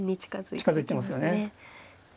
近づいてますよね。